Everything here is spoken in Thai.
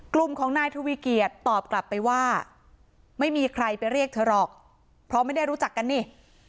กลุ่มของนายทวีเกียจตอบกลับไปว่าไม่มีใครไปเรียกเธอหรอกเพราะไม่ได้รู้จักกันนี่